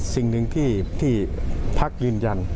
สิ่งหนึ่งที่พักยืนยัน